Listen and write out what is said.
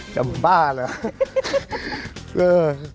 จำบ้าเลย